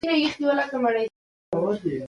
د شېدو غاښونه له شپږ میاشتنۍ څخه راوځي.